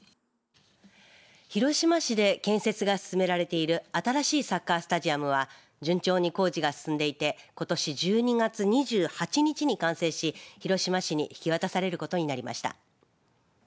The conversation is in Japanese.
広島市で建設が進められている新しいサッカースタジアムは順調に工事が進んでいてことし１２月２８日に完成し広島市に引き渡されることになりました。